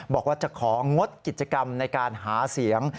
บอกว่าจะของงดกิจกรรมในการหาเสียง